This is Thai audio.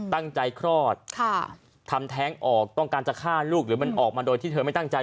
คลอดค่ะทำแท้งออกต้องการจะฆ่าลูกหรือมันออกมาโดยที่เธอไม่ตั้งใจ